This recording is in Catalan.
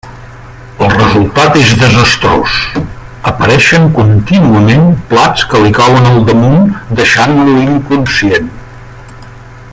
El resultat és desastrós: apareixen contínuament plats que li cauen al damunt deixant-lo inconscient.